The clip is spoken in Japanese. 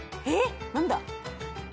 えっ何だ？